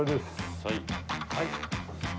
はい。